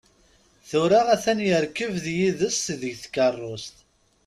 Tura a-t-an yerkeb d yid-s deg tkerrust.